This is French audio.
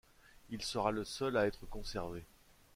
Il sera le seul à être conservé.